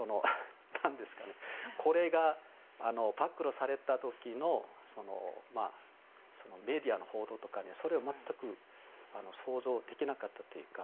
これが暴露された時のメディアの報道とかそれを全く想像できなかったというか。